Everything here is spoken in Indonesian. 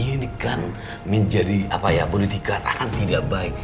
ini kan menjadi apa ya boleh dikatakan tidak baik